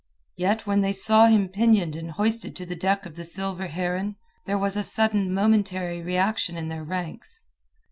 Yet when they saw him pinioned and hoisted to the deck of the Silver Heron, there was a sudden momentary reaction in their ranks.